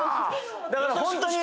だからホントに。